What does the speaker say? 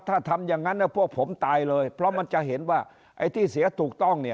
ถ้าทำอย่างนั้นพวกผมตายเลยเพราะมันจะเห็นว่าไอ้ที่เสียถูกต้องเนี่ย